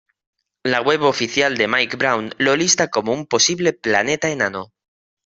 La web oficial de Mike Brown lo lista como un posible planeta enano.